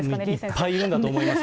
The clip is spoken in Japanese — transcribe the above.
いっぱいいるんだと思います。